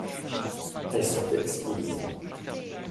Elles sont exquises.